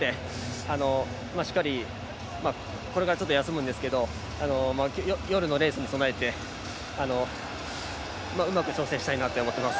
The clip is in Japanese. しっかりこれから休むんですけど夜のレースに備えてうまく調整したいなと思っています。